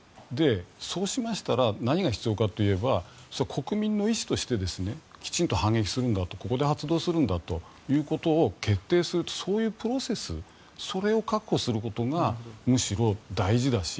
そうしましたら何が必要かといえば国民の意思としてきちんと発動するんだとここで発動するんだということを決定する、そういうプロセスそれを確保することがむしろ大事だし。